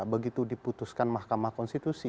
begitu diputuskan mahkamah konstitusi